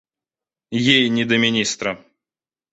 Ей не до министра.